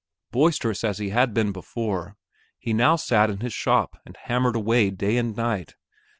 Boisterous as he had been before, he now sat in his shop and hammered away day and night.